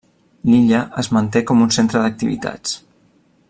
L'illa es manté com un centre d'activitats.